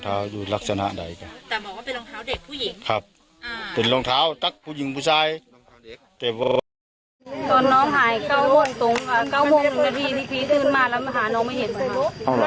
กะทิตื่นมาดังมาหาน้องไม่เห็นน่ะครับ